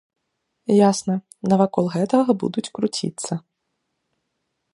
Ясна, навакол гэтага будуць круціцца.